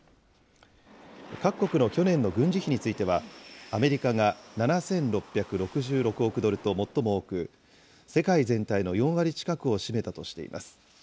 各国の去年の軍事費については、アメリカが７６６６億ドルと最も多く、世界全体の４割近くを占めたとしています。